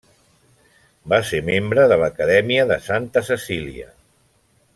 Va ser membre de l'Acadèmia de Santa Cecília.